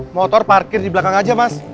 motor parkir di belakang aja mas